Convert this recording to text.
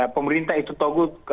pemerintah itu togut